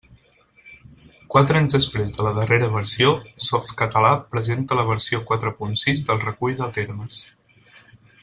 Quatre anys després de la darrera versió, Softcatalà presenta la versió quatre punt sis del Recull de termes.